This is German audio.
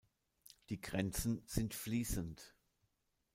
Die Grenzen sind fließend.